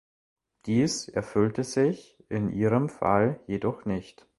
Dies erfüllte sich in ihrem Fall jedoch nicht.